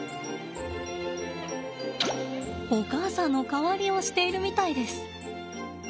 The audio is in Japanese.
お母さんの代わりをしているみたいです。